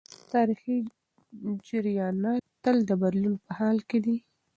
تاریخي جریانات تل د بدلون په حال کي دي.